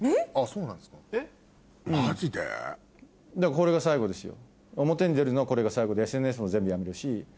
これが最後ですよ。